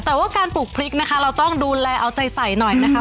แต่ว่าการปลูกพริกนะคะเราต้องดูแลเอาใจใส่หน่อยนะคะ